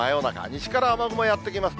西から雨雲がやって来ます。